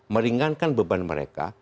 meringankan beban mereka